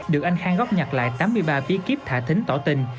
được anh khang góp nhặt lại tám mươi ba bí kíp thả thính tỏ tình